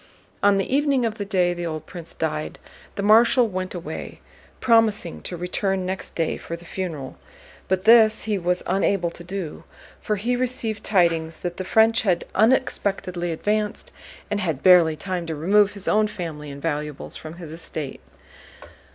On the evening of the day the old prince died the Marshal went away, promising to return next day for the funeral. But this he was unable to do, for he received tidings that the French had unexpectedly advanced, and had barely time to remove his own family and valuables from his estate.